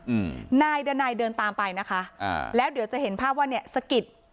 อืมนายดันัยเดินตามไปนะคะอ่าแล้วเดี๋ยวจะเห็นภาพว่าเนี้ยสะกิด